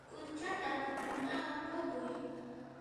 Q'unchata phukunawan phukuy.